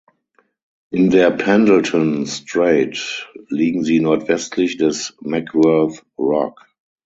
In der Pendleton Strait liegen sie nordwestlich des Mackworth Rock.